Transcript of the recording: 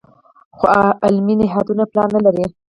خو علمي نهادونه پلان نه لري.